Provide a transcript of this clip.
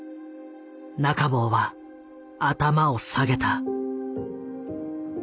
中坊は頭を下げた。